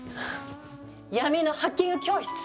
闇のハッキング教室。